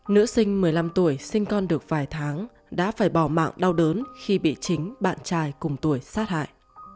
nữ sinh một mươi năm tuổi sinh con được vài tháng đã phải bỏ mạng đau đớn khi bị chính bạn trai cùng tuổi sát hại